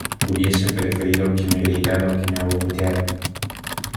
hubiese preferido que me gritara o que me abofeteara